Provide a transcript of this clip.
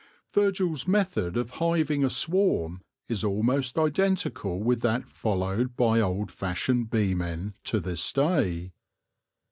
Virgil's method of hiving a swarm is almost identi cal with that followed by old fashioned bee men to this day.